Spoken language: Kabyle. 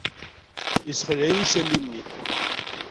Yessexleɛ-iyi yisali-nni.